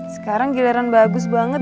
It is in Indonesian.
sekarang giliran bagus banget